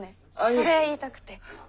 それ言いたくて。